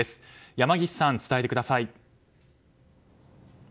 山岸さん、伝えてください。